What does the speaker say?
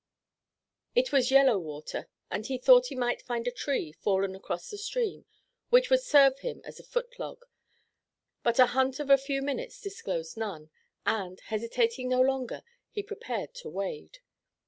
It was yellow water, and he thought he might find a tree, fallen across the stream, which would serve him as a foot log, but a hunt of a few minutes disclosed none, and, hesitating no longer, he prepared to wade.